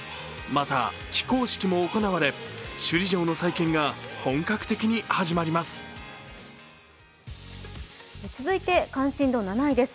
また、起工式も行われ、首里城の再建が本格的に始まります。